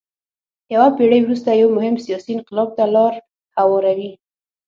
یوه پېړۍ وروسته یو مهم سیاسي انقلاب ته لار هواروي.